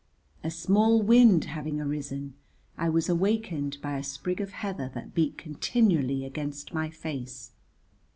A small wind having arisen, I was awakened by a sprig of heather that beat continually against my face.